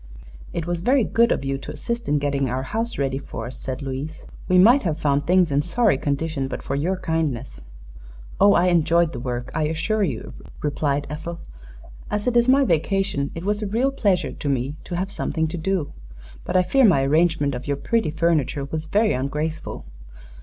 "It was very good of you to assist in getting our house ready for us," said Louise. "We might have found things in sorry condition but for your kindness." "Oh, I enjoyed the work, I assure you," replied Ethel. "As it is my vacation, it was a real pleasure to me to have something to do. But I fear my arrangement of your pretty furniture was very ungraceful."